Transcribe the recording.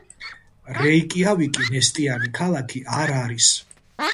რეიკიავიკი ნესტიანი ქალაქი არ არის.